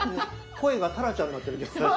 声がタラちゃんになってるけど。